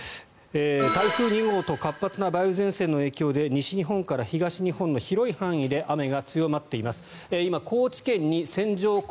台風２号と活発な梅雨前線の影響で西日本から東日本の広い範囲で雨が強まっています。